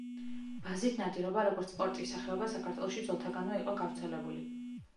ბაზით ნადირობა, როგორც სპორტის სახეობა, საქართველოში ძველთაგანვე იყო გავრცელებული.